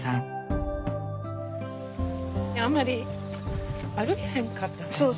あんまり歩けへんかったから。